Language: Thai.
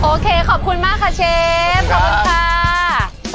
โอเคขอบคุณมากค่ะเชฟขอบคุณค่ะ